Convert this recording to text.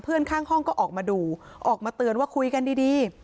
ข้างห้องก็ออกมาดูออกมาเตือนว่าคุยกันดี